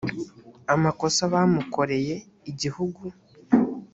amakosa bamukoreye i igihugu